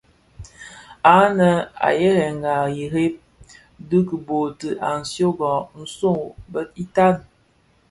Ànë à yerênga rikêê di bôbti, à syongà zɔng itan.